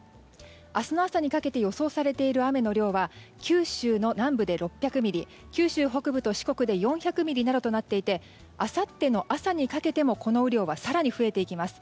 明日の朝にかけて予想されている雨の量は九州南部で６００ミリ九州北部と四国で４００ミリなどとなっていてあさっての朝にかけてもこの雨量は更に増えていきます。